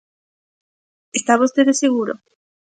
¿Está vostede seguro?